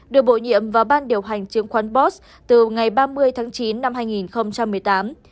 được bổ nhiệm vào ban điều hành chứng khoán bost từ ngày ba mươi tháng chín năm hai nghìn một mươi tám